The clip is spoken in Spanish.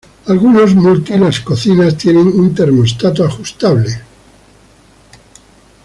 Algunos multi las cocinas tienen un termostato ajustable.